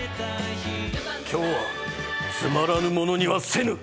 今日はつまらぬものにはせぬ。